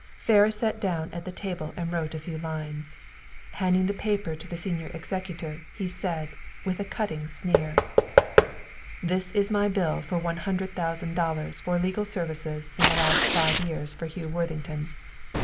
Ferris sat down at the table and wrote a few lines. Handing the paper to the senior executor, he said, with a cutting sneer: "There is my bill for one hundred thousand dollars for legal services in the last five years for Hugh Worthington.